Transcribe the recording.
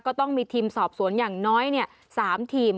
ก็ต้องมีทีมสอบสวนอย่างน้อย๓ทีม